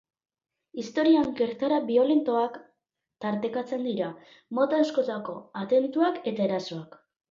Historian gertaera biolentoak tartekatzen dira, mota askotako atentatuak eta erasoak.